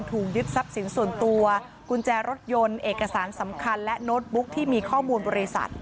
ถูกยึดทรัพย์สินส่วนตัวกุญแจรถยนต์เอกสารสำคัญและโน้ตบุ๊กที่มีข้อมูลบริษัท